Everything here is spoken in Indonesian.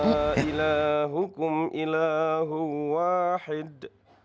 ilah hukum ilahun wahid